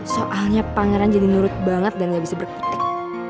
soalnya pangeran jadi nurut banget dan gak bisa berpetik